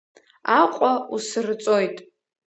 Аҟәа усырҵоит!